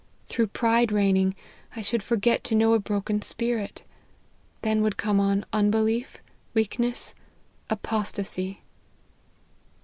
Through pride reigning, I should forget to know a broken spirit : then would come on unbelief, weak ness, apostacy."